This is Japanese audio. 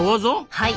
はい。